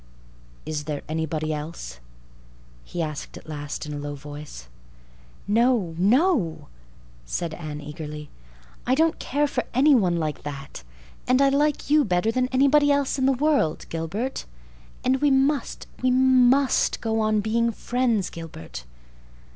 "Is there anybody else?" he asked at last in a low voice. "No—no," said Anne eagerly. "I don't care for any one like that—and I like you better than anybody else in the world, Gilbert. And we must—we must go on being friends, Gilbert."